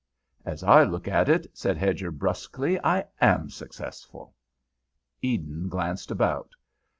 "As I look at it," said Hedger brusquely, "I am successful." Eden glanced about.